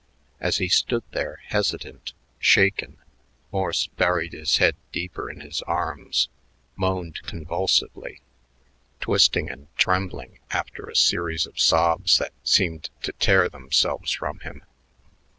As he stood there hesitant, shaken, Morse buried his head deeper in his arms, moaned convulsively, twisting and trembling after a series of sobs that seemed to tear themselves from him.